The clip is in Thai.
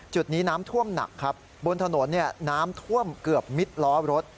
จุดนี้น้ำท่วมหนักครับบนถนนน้ำท่วมเกือบมิดล้อรถ